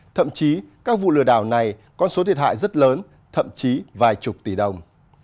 thậm chí các vụ lừa đảo này có số thiệt hại rất lớn thậm chí vài chục tỷ đồng